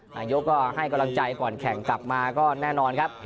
นายกก็ให้กำลังใจก่อนแข่งกลับมาก็แน่นอนครับ